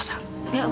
biar mereka tau rasa